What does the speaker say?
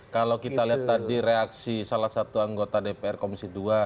kalau kita lihat tadi reaksi salah satu anggota dpr komisi dua